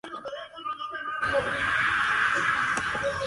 David se entrenó por un año en el Central School of Speech and Drama.